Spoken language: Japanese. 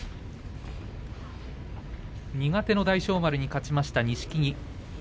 苦手の大翔丸に勝ちました錦木。